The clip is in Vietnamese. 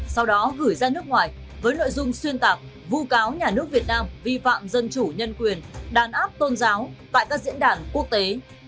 sau đó gửi ra nước ngoài với nội dung xuyên tạc vu cáo nhà nước việt nam vi phạm dân chủ nhân quyền đàn áp tôn giáo tại các diễn đàn quốc tế